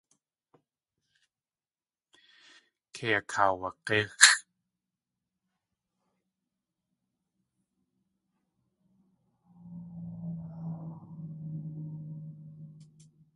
Kei akaawag̲íxʼ.